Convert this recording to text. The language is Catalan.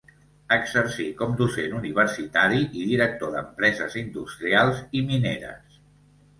Exercí com docent universitari i director d'empreses industrials i mineres.